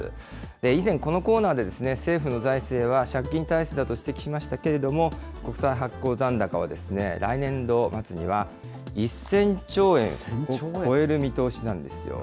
以前、このコーナーで政府の財政は借金体質だと指摘しましたけれども、国債発行残高は来年度末には１０００兆円を超える見通しなんですよ。